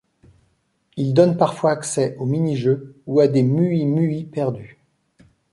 Ils donnent parfois accès aux mini-jeux ou à des Mui Mui perdus.